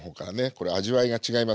これ味わいが違いますから。